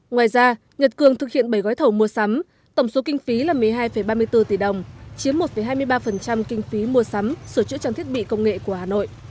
ngoài ra nhật cường thực hiện bảy gói thầu mua sắm tổng số kinh phí là một mươi hai ba mươi bốn tỷ đồng chiếm một hai mươi ba kinh phí mua sắm sửa chữa trang thiết bị công nghệ của hà nội